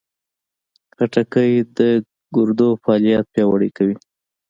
خټکی د ګردو فعالیت پیاوړی کوي.